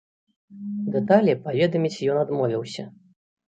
Дэталі паведаміць ён адмовіўся.